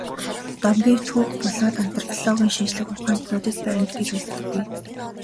Домгийг түүх болоод антропологийн шинжлэх ухаанд бодит баримт гэж үздэггүй.